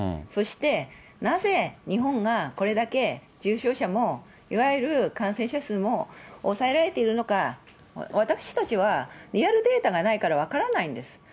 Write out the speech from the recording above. そしてなぜ日本がこれだけ、重症者も、いわゆる感染者数も抑えられているのか、私たちはリアルデータがないから分からないんです。